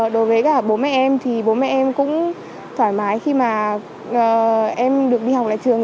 đối với cả bố mẹ em thì bố mẹ em cũng thoải mái khi mà em được đi học lại trường